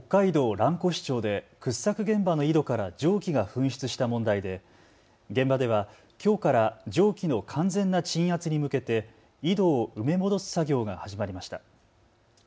蘭越町で掘削現場の井戸から蒸気が噴出した問題で現場ではきょうから蒸気の完全な鎮圧に向けて井戸を埋め戻す作業が始まりました。